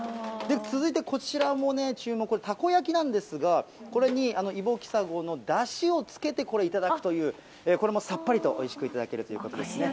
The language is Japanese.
続いてこちらもね、注目、たこ焼きなんですが、これにイボキサゴのだしをつけて、これ、頂くという、これもさっぱりとおいしくいただけるということですね。